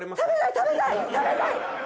食べたい！